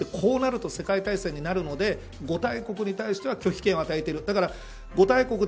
こうなると世界大戦になるので５大国に対しては拒否権を与えている。